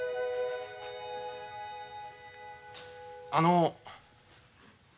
あの。